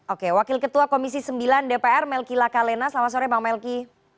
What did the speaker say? oke wakil ketua komisi sembilan dpr melki lakalena selamat sore bang melki